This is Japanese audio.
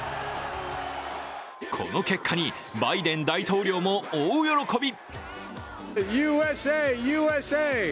この結果にバイデン大統領も大喜び！